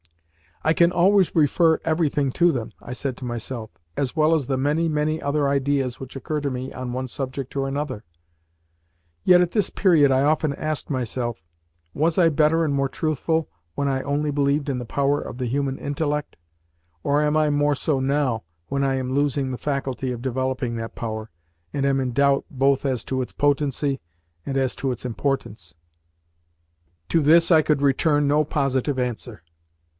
"I can always refer everything to them," I said to myself, "as well as the many, many other ideas which occur to me on one subject or another." Yet at this period I often asked myself, "Was I better and more truthful when I only believed in the power of the human intellect, or am I more so now, when I am losing the faculty of developing that power, and am in doubt both as to its potency and as to its importance?" To this I could return no positive answer.